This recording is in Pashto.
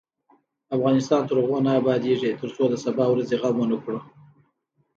افغانستان تر هغو نه ابادیږي، ترڅو د سبا ورځې غم ونکړو.